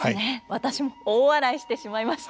私も大笑いしてしまいました。